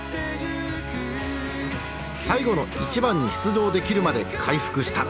最後の一番に出場できるまで回復した。